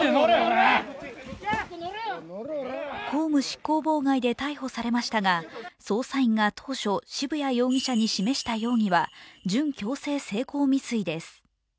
公務執行妨害で逮捕されましたが捜査員が当初、渋谷容疑者に示した容疑は準強制性交未遂です。